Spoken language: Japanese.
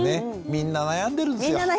みんな悩んでるんですよ。